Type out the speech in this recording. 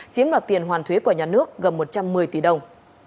chiếm đoạt tiền hoàn thuế của nhà nước gần một trăm một mươi tỷ đồng